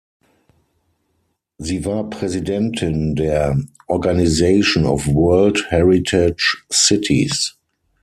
Sie war Präsidentin der "Organization of World Heritage Cities".